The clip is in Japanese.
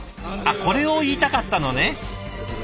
これを言いたかったのね。